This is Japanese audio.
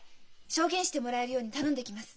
証言してもらえるように頼んできます。